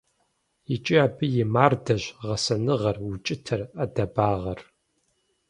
ИкӀи абы и мардэщ гъэсэныгъэр, укӀытэр, Ӏэдэбагъыр.